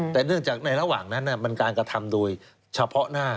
แต่เนื่องจากในระหว่างนั้นมันการกระทำโดยเฉพาะหน้า